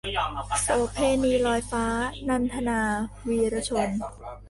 โสเภณีลอยฟ้า - นันทนา วีระชน